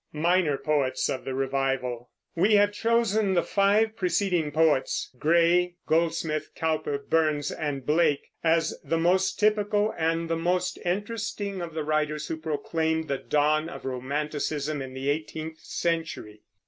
MINOR POETS OF THE REVIVAL We have chosen the five preceding poets, Gray, Goldsmith, Cowper, Burns, and Blake, as the most typical and the most interesting of the writers who proclaimed the dawn of Romanticism in the eighteenth century.